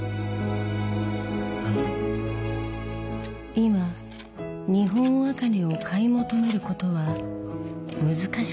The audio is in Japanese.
今日本茜を買い求めることは難しくなっています。